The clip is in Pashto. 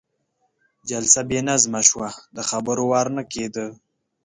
جلسه بې نظمه شوه، د خبرو وار نه کېده.